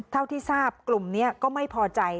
เท่าที่ทราบกลุ่มนี้ก็ไม่พอใจ